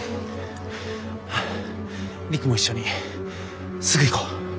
璃久も一緒にすぐ行こう。